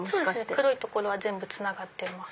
黒い所は全部つながってます。